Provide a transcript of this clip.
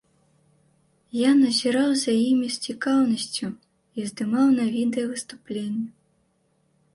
Я назіраў за імі з цікаўнасцю і здымаў на відэа выступленні.